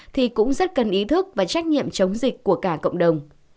thì cũng rất cần ý thức và trách nhiệm chống dịch của cả cộng đồng